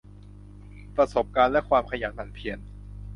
ประสบการณ์และความขยันหมั่นเพียร